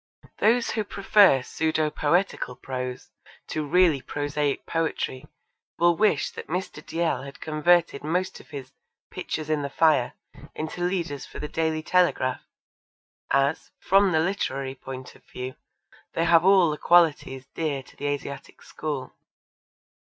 Those who prefer pseudo poetical prose to really prosaic poetry will wish that Mr. Dalziel had converted most of his Pictures in the Fire into leaders for the Daily Telegraph, as, from the literary point of view, they have all the qualities dear to the Asiatic school.